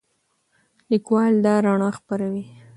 لیکوال دا رڼا خپروي.